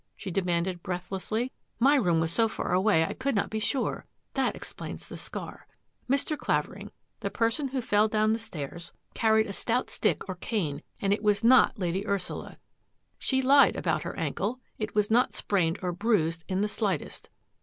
she de manded breathlessly. " My room was so far away I could not be sure. That explains the scar. Mr. Clavering, the person who fell down the stairs car A NIGHT OF ADVENTURE 8S ried a stout stick or cane, and it was not Lady Ursula. She lied about her ankle. It was not sprained or bruised in the slightest."